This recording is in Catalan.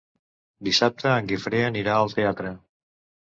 Dissabte en Guifré anirà al teatre.